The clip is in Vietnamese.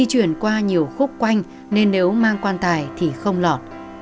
hoa nhiều khúc quanh nên nếu mang quan tài thì không lọt